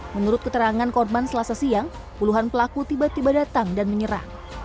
menurut keterangan korban selasa siang puluhan pelaku tiba tiba datang dan menyerang